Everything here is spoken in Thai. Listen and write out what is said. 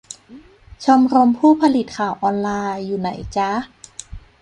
ชมรมผู้ผลิตข่าวออนไลน์ อยู่ไหนจ๊ะ ?